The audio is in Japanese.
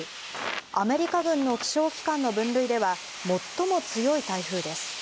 アメリカ軍の気象機関の分類では最も強い台風です。